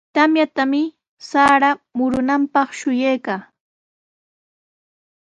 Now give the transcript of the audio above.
Tamyamunantami sarata murunaapaq shuyaykaa.